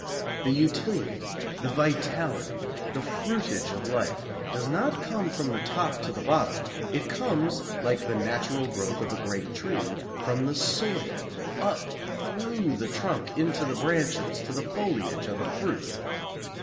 The utility, the vitality, the fruitage of life does not come from the top to the bottom; it comes, like the natural growth of a great tree, from the soil, up through the trunk into the branches to the foliage and the fruit.